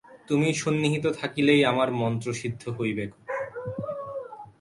তুমি সন্নিহিত থাকিলেই আমার মন্ত্র সিদ্ধ হইবেক।